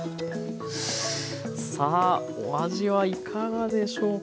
さあお味はいかがでしょうか。